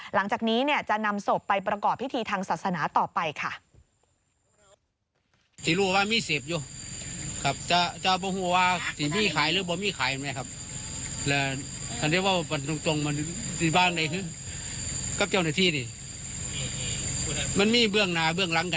หลังจากนี้จะนำศพไปประกอบพิธีทางศาสนาต่อไปค่ะ